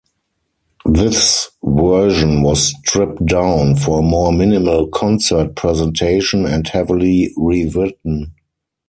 This version was stripped down for a more minimal "concert" presentation and heavily rewritten.